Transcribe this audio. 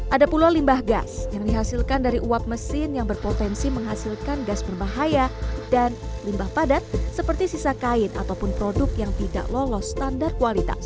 ada pula limbah gas yang dihasilkan dari uap mesin yang berpotensi menghasilkan gas berbahaya dan limbah padat seperti sisa kain ataupun produk yang tidak lolos standar kualitas